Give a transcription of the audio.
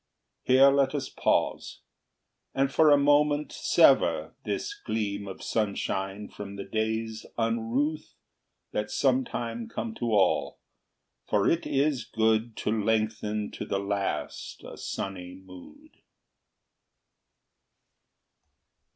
Here let us pause, and for a moment sever This gleam of sunshine from the days unruth That sometime come to all, for it is good To lengthen to the last a sunny mood.